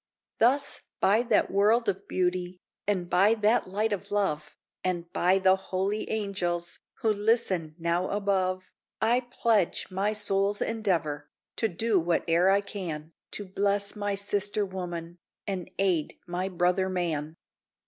Thus by that world of beauty, And by that life of love, And by the holy angels Who listen now above, I pledge my soul's endeavor, To do whate'er I can To bless my sister woman, And aid my brother man.